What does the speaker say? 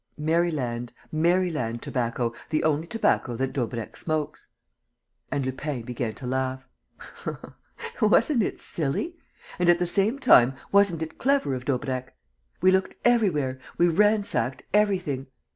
"Maryland, Maryland tobacco, the only tobacco that Daubrecq smokes." And Lupin began to laugh: "Wasn't it silly? And, at the same time, wasn't it clever of Daubrecq? We looked everywhere, we ransacked everything.